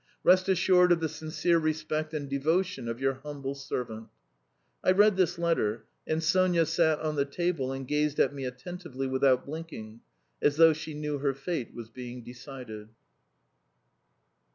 "Rest assured of the sincere respect and devotion of your humble servant. ..." I read this letter, and Sonya sat on the table and gazed at me attentively without blinking, as though she knew her fate was being decided.